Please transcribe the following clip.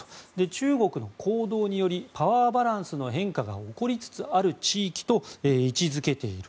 中国の行動によりパワーバランスの変化が起こりつつある地域と位置付けている。